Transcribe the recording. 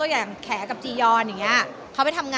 อย่างแขกับจียอน